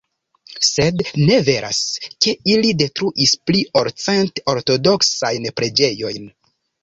Sed ne veras, ke ili detruis pli ol cent ortodoksajn preĝejojn.